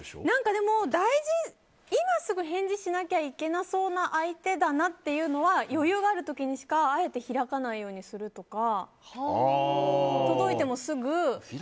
でも今すぐ返事しなきゃいけなそうな相手だなっていうのは余裕がある時にしかあえて開かないようにするとか届いても、すぐ。